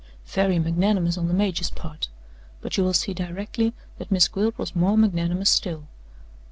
Very magnanimous on the major's part; but you will see directly that Miss Gwilt was more magnanimous still.